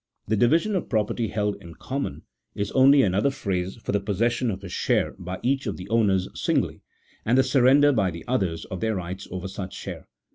The division of property held in common is only another phrase for the possession of his share by each of the owners singly, and the surrender by the others of their rights over such share.